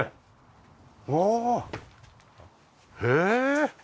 ああへえ！